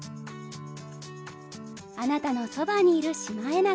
あなたのそばにいるシマエナガ。